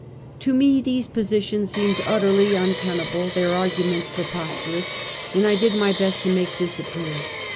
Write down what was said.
To me, these positions seemed utterly un tenable, their arguments preposterous, and I did my best to make this appear.